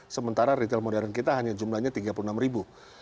sementara retail modern kita hanya jumlahnya tiga puluh enam ribu